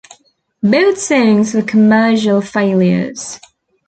Both songs were commercial failures.